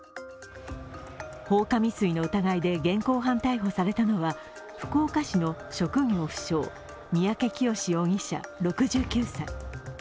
放火未遂の疑いで現行犯逮捕されたのは福岡市の職業不詳三宅潔容疑者６９歳。